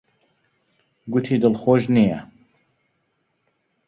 گوتی دڵخۆش نییە.